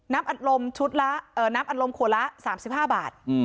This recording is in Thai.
น้ำอัดลมขัวละ๓๕บาท